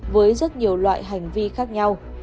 với rất nhiều loại hành vi khác nhau